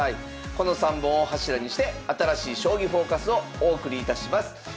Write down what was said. この３本を柱にして新しい「将棋フォーカス」をお送りいたします。